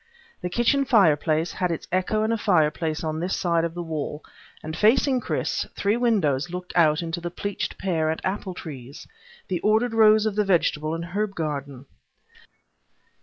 The kitchen fireplace had its echo in a fireplace on this side of the wall, and facing Chris three windows looked out onto the pleached pear and apple trees; the ordered rows of the vegetable and herb garden.